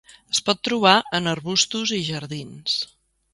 Es pot trobar en arbustos i jardins.